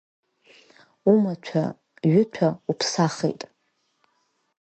Умаҭәа-ҩыҭәа уԥсахит…